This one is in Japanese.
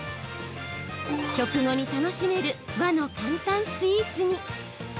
食後に楽しめる和の簡単スイーツに。